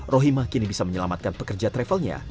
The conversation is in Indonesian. rohima kini bisa menyelamatkan pekerja travelnya